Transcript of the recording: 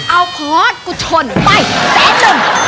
เอาพตกุชนไปแสดนหนึ่ง